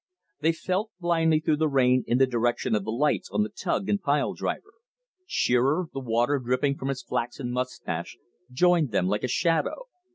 They felt blindly through the rain in the direction of the lights on the tug and pile driver. Shearer, the water dripping from his flaxen mustache, joined them like a shadow.